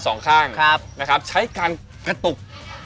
สองข้างใช้การกระตุก